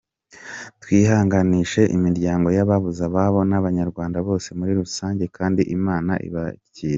Twihanganishije imiryango yababuzababo nabanyarwanda Bose murirusange kandi imanana ibakire.